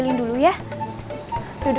kenapa lo disini